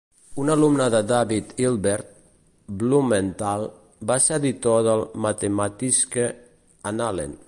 Un alumne de David Hilbert, Blumenthal, va ser editor del Mathematische Annalen.